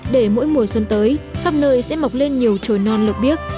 để mỗi mùa xuân tới khắp nơi sẽ mọc lên nhiều trồi non lộc biếc